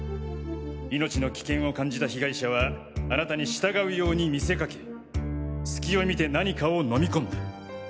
命の危険を感じた被害者はあなたに従うように見せかけ隙を見て何かを飲み込んだ。